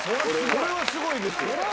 これはすごいよ。